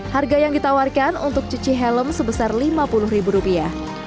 harga yang ditawarkan untuk cuci helm sebesar lima puluh ribu rupiah